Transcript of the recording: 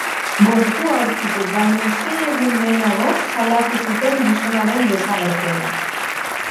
Gorpua aurkitu baino sei egun lehenago salatu zuten gizonaren desagerpena.